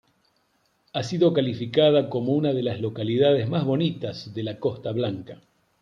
Ha sido calificada como una de las localidades más bonitas de la Costa Blanca.